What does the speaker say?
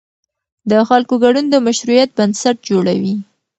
د خلکو ګډون د مشروعیت بنسټ جوړوي